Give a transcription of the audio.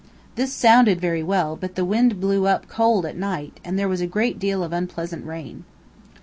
This sounded very well, but the wind blew up cold at night, and there was a great deal of unpleasant rain.